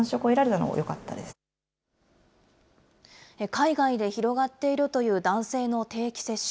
海外で広がっているという男性の定期接種。